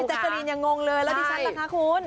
พี่จักรีนยังงงเลยแล้วดิฉันล่ะคุณ